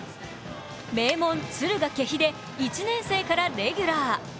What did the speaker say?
名門・敦賀気比で１年生からレギュラー。